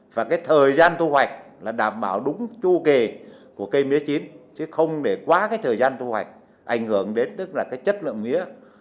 và cái thời gian thu hoạch là đảm bảo đúng chu kề của cây mía chín chứ không để quá cái thời gian thu hoạch ảnh hưởng đến tức là cái chất lượng mía